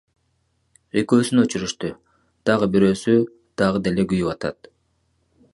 Экөөсүн өчүрүштү, дагы бирөөсү дагы деле күйүп жатат.